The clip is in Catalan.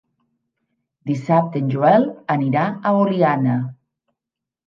Dissabte en Joel anirà a Oliana.